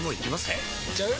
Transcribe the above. えいっちゃう？